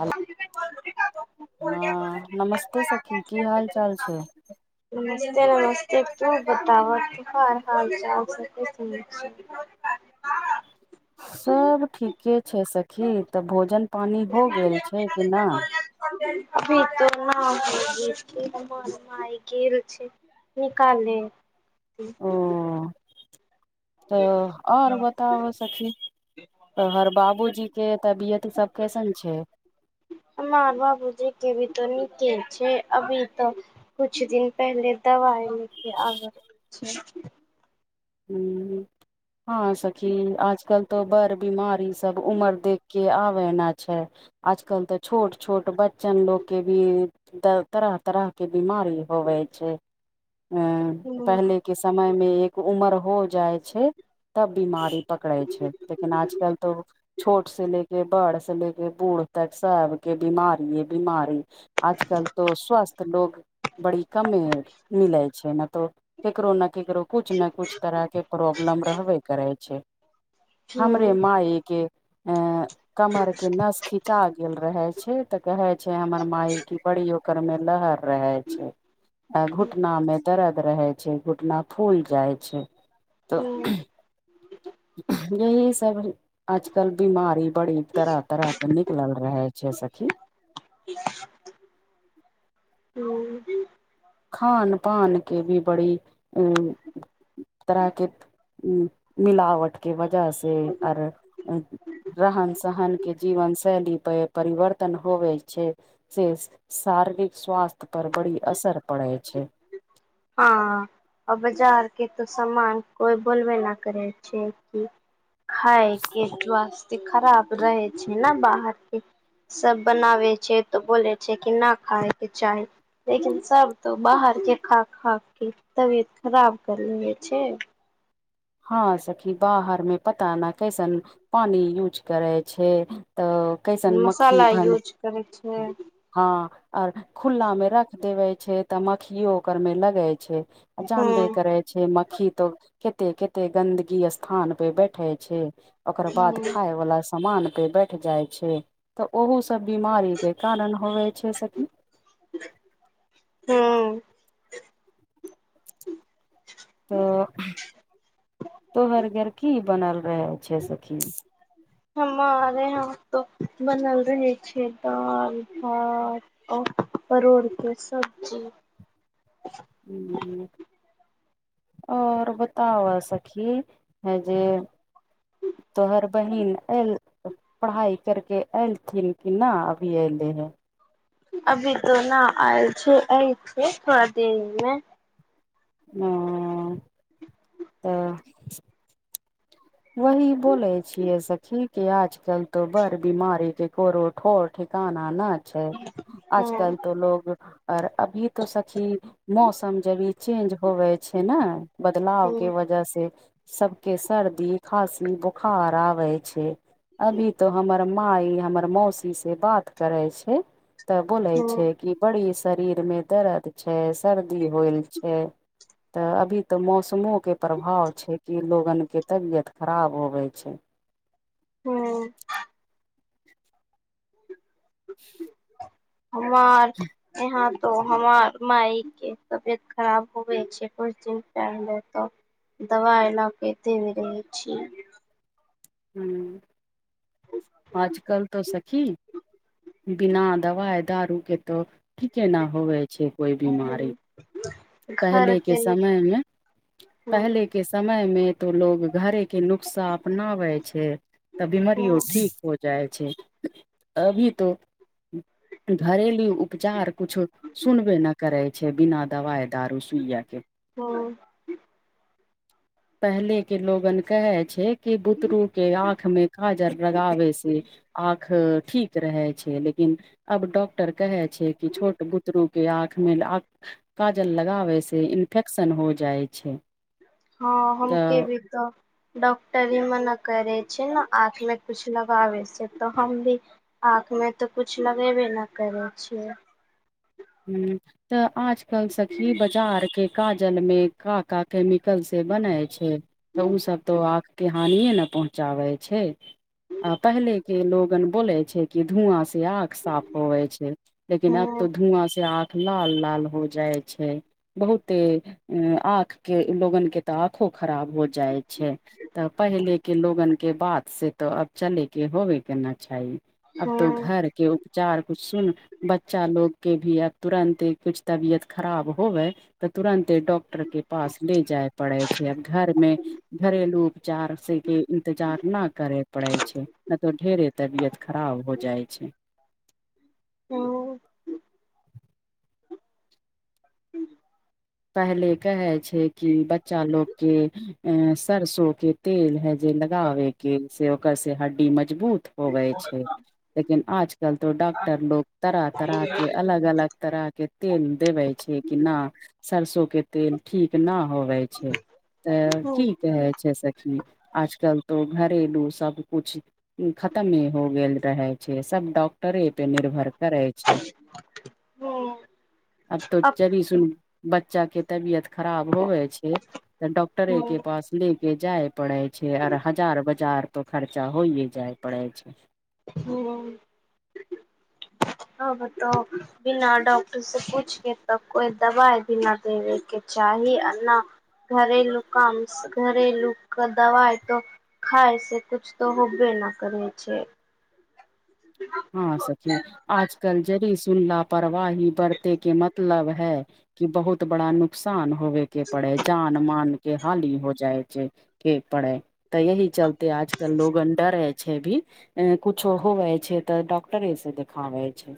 Hello हँ नमस्ते सखी की हाल चाल छै नमस्ते नमस्ते तू बताव तोहार हाल चाल सब ठीके छै सखी तऽ भोजन पानि हो गेल छै कि न अभी तऽ नै हमर माय गेल छै की करे [unintelligible] ओ तऽ आओर बताबऽ सखी तोहर बाबूजी के तबियत सब कैसन छै हमार बाबूजी के भी तो निके छै अभी तऽ कुछ दिन पहले दबाइ लेके आबै रहै छै हूंम्म हँ सखी आजकल तो बड़ बीमारी सब उमर देख के आबेना छै आजकल तऽ छोट छोट बच्चन लोकके भी दर तरह तरह के बिमारी होवै छै हँ हुं पहले के समयमे एक उमर हो जाइ छै तब बीमारी पकड़ै छै लेकिन आजकल तऽ छोट से लेके बड़ से लेके बूढ़ तक सबके बीमारीये बीमारी आजकल तो स्वस्थ लोग बड़ी कमे मिलै छै ने तो केकरो ने केकरो कुछ ने कछ तरह के प्रॉब्लम रहबे करै छै हुं हमरे माय के ऐं कमर के नस खिचा गेल रहे छै तऽ कहे छै हमर माय की बड़ी ओकर मे लहर रहै छै आ घुटना मे दर्द रहै छै घुटना फूल जाइ छै हुं तऽ यही सब आजकल बीमारी बड़ी तरह तरह के निकलल रहै छै सखी हूंम्म खान पान के भी बड़ी उ तरहके उ मिलवट के वजह से आर रहन सहन के जीवन शैली पे परिवर्तन होवै छै से शारीरिक स्वास्थ्य पर बड़ी असर पड़ै छै हँ आ बाजार के तो सामान कोई बोलबे न करै छै कि खायके स्वास्थ्य खराब रहै छै ने बाहरके सब बनाबै छै तऽ बोलै छै कि नहि खाय के चाही लेकिन सब तो बाहर के खा खा के तबियत खराब कर लै छै हँ सखी बाहरमे पता नहि कैसन पानी यूज करै छै तऽ कैसन मक्खी मसाला भन यूज करै छियै हँ आर खुल्ला मे रख देवै छै तऽ मक्खियो ओकर मे लगै छै हूं जानबे करै छै मक्खी तऽ कते कते गन्दगी स्थान ' बैठे छै ओकर बाद खाय वाला समान पे बैठ जाइ छै तऽ ओहो सब बिमारी के कारण होवे छै सखि हँ तऽ तोहर गर की बनल रहे छै सखी हमार यहा तो बनल रहे छै दाल भात आ परोड़के सब्जी हू आओर बताउ सखी है जे तोहर बहिन पढ़ाइ करके ऐलथिन कि नहि अभी ऐले हे अभी तो नहि आयल छै ऐ छै थोड़ा देर मे हँ तऽ वही बोले छिये सखी के आजकल तो बड़ बीमारी के कोनो ठोर ठिकाना न छै हूं आजकल तो लोग आओर अभी तो सखी मौसम ज भी चेन्ज होवे छै ने बदलाव हूं के वजह से सबके सर्दी खाँसी बुखार आबे छै, अभी तो हमर माइ हमर मौसी से बात करै छै। तऽ बोले हूं छै कि बड़ी शरीर मे दर्द छै सर्दी होयल छै तऽ अभी ते मौसमो के प्रभाव छै कि लोगन केँ तबियत खराब होबै छै हुँ [unintelligible] हमर यहाँ [unintelligible] तो हमर मायके तबियत खराब होे छै कुछ दिन पहिले तऽ दबाइ लाके एते नहि रहै छीयै आजकल तऽ सखी बिना दवा दारू के तऽ ठीके न होवे छै कोइ बीमारी पहले के समय मे हूं पहले के समय में तो लोग घरे के नुकसा अपनावै छै, तऽ बीमारियो हूं ठीक हो जाइ छै अभी तो घरेलू उपचार कुछो सुनबे नहि करै छै बिना। दवाए दारू सुइया के हँ पहले के लोगन कहे छै क बुतरू के आँख में काजल लगाबै से आ ठीक रहै छै लेकिन आब कहै छै कि छोट बुतरू के आँख मे ल काजल लगाबैसँ इन्फेक्शन हो जाइ छै हँ हम के तऽ भी तऽ ' डॉक्टरे मने करे छी ने आँख मे कुछ लगाबै छ तऽ हम भी आँख मे तऽ कुछ लगेबे न करे छिय तऽ आजकल सखी बाजार के काजल मे का का केम आ कल से बनै छै तऽ ओसभ तऽ ओ आँखके हानिए ने पहुँचाबै छै आ पहले के लोगन बोले छै कि धुआ से आख आँख साफ होवइ छै लेकिन आब तऽ हूँ धुआँ से आँख लाल लाल हो जाइ छै बहुते आँख के लोगन के तऽ आँखो खराब हो जाइ छै तऽ पहिले के लोगन के बात से तो अब चले के होबे के न चाही ' अब तो हूँ घर के उपचार कुछ सुन बच्चा लोग के भी तुरन्त कुछ तबियत ख़राब होबै तऽ तुरंते डॉक्टर के पास ले जाय पड़े छै आ घर मे घरेलु उपचार से के इन्तजार न करे पड़े छै नहि तऽ ढेर तबियत खराब हो जाइ छै ह [inaudible] पहिले कहे छै कि बच्चा लोग के अ सरसो के तेल है जे लगाबे के से ओकर से हड्डी मजबूत होवै छै लेकिन आज चलतौ डॉक्टर लोग तरह तरह के अलग अलग तरह के तेल देबे छै कि नहि सरसो के तेल ठीक न होवे छै तऽ की हूँ कहै छै सँ खी आजकल तो घरेलू सबकुछ खतमे हो गेल रहै छै सभ डॉक्टरे पे निर्भर करै छै हूँ आब अब त [unintelligible] सुन बच्चा के तबियत खराब होवे छै तऽ डॉक्टरे हूँ के पास ले के जाय पड़े छै आऔर हजार बजार तो खर्चा होइए जाय पड़े छै [unintelligible] [inaudible] ना बतओ बिना डॉक्टर से पूछके तऽ कोइ दबाइ बिना देबे के चाही आ न घरेलू क घरेलू दवा ए त खााय से कुछ तऽ होबे न करै छै हँ सखी आजकल जरी सुन लापरवाही बढ़ते के मत मतलब है कि बहुत बड़ा नुकसान होव के पड़े जान मान के ली हो जाइ छै के पड़ै तऽ यह चलते आजकल लोग डरे रहै छै भी कुछो होवै छै तऽ डॉक्टरे से देखाबै छै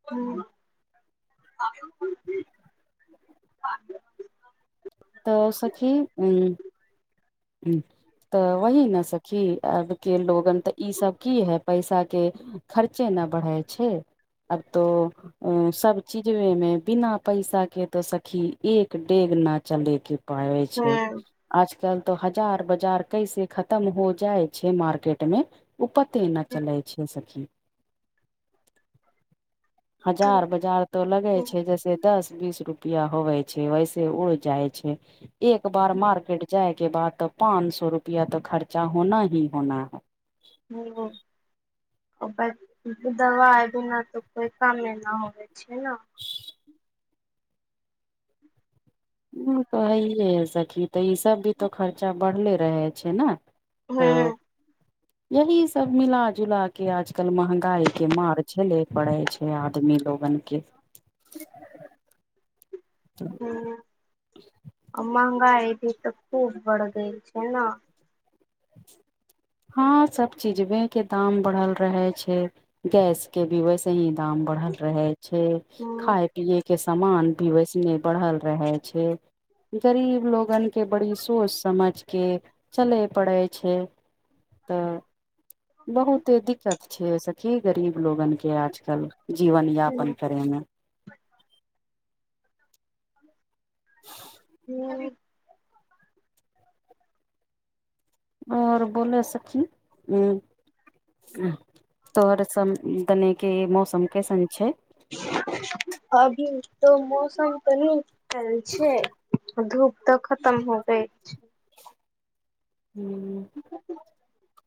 ह [unintelligible] तऽ सखी की हू [unintelligible] तऽ वही ने सखी आब के लोगन तऽ ई सब की है पैसा के खर्चे न बढ़ै छै आब तो सब चीजे मे बिना पैसा के तऽ सखी एक डेग न चले के पाबै छै आजकल त हजार बाजार कैसे खतम हो जाइ छै मार्केट मे उ प कते न चलै छै सखी हजार बजार तो लगे छै जस दस बीस रुपआ होवे छै वैसे उड़ जाइ छै एक बार मार्केट जायके के बाद तो पांच सो रुपआ तऽ खर्चा होना ही होना है हू दबाइ बिना तऽ कोइ कमे नहि होबे छै तऽ हैये ह सखी तऽ ई सब भी तो खर्चा बढ़ले रहे छै ने तऽ हूं यही सब मिलाजुला के आजकल महंगाई के मार झेले पड़े छै आदमी लोगन केँ ह [unintelligible] ह महगाई भी तऽ खूब बढ़ गय छै ने हँ सब चीजवे के दाम बढ़ल रहे छै गैस के भी वैसे ही दाम बढ़ल रहे छै हूं खाय पए के सामान भी वैसने बढ़ल रहे छै गरीब लोगन के बड़ी सोच समझ के चले पड़े छै तऽ बहुते दिक्कत छै सखी गरीब लोगन के आजकल जीवन यापन करैमे हूंम्म आओर बोलै सखी तोहर सब देने के मौसम कैसन छै अभी तऽ मौसम कनी खयल छै धूप तऽ खतम हो गैल छै हूंम्म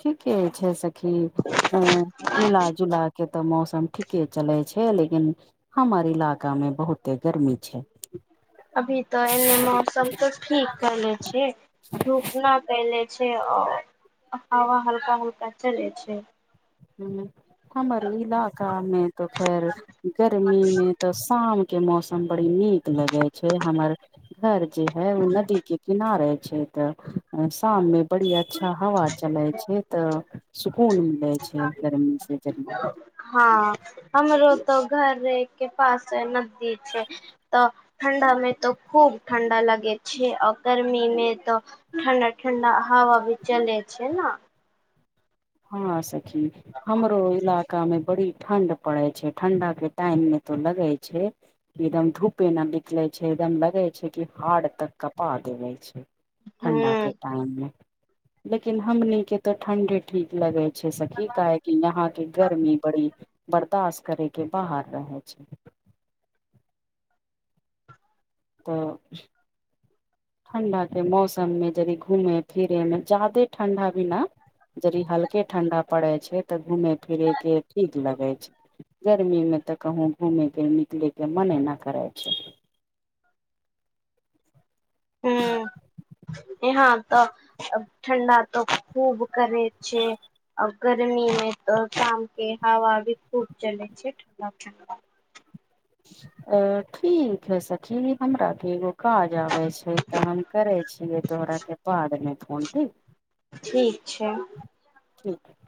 ठीके छै सखी मिला जुला के तऽ मौसम ठीके चले छै लेकिन हमर इलाका मे बहुते गर्मी छै अभी तऽ एने मौसम तऽ ठीक कैले छियै धूप नै कैले छै आओर हवा हल्का हुल्का चले छै हमर इलाका मे तो खैर गर्मीमे तऽ शाम के मौसम बड़ी नीक लगे छै हमर घर जे हय उ नदी के किनारे छै तऽ साममे बड़ी अच्छा हवा चलै छै तऽ सुकून मिलै छै गर्मी से जरी हँ हमरो तो घरे के पास नदी छै तऽ ठंडा मे तऽ खूब ठंडा लगे छै आ गर्मी मे तऽ ठण्डा ठण्डा हवा भी चले छै न हँ सखी हमरो इलाका मे बड़ी ठण्ड पड़े छै ठंडा के टाइम मे तो लगे छै कि एकदम धूपे न निकले छै एकदम लगे छै कि हार्ड तक कँपा देबे छै हूं ठण्डा के टाइम मे लेकिन हमनी के तो ठण्डे ठीक लगे अच्छेसँ सखी काहेकि यहाँके गर्मी बड़ी बर्दाश्त करैके बाहर रहै छै तऽ ठण्डा के मौसम मे जरि घूमे फिरे मे ज्यादे ठण्डा भी न जरि हल्के ठंडा पड़े छै तऽ घूमे फिरे के ठीक लगे छै गर्मी मे तऽ कहुं घूमे के निकले के मने न करै छै हूं [inaudible] यहाँ तऽ ठण्डा तऽ खूब करै छै गर्मी मे तऽ कामके हवा भी खूब चलै छै ठण्डा ठण्डा ओ ठीक है सखी हमरा के एगो काज आबै छै तऽ हम करै छियै तोहराके बादमे फोन ठीक ठीक छै ठीक